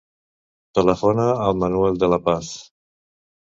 Telefona al Manuel De La Paz.